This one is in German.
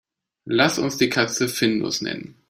Lass uns die Katze Findus nennen.